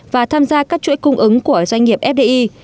và tham gia các chuỗi cung ứng của doanh nghiệp fdi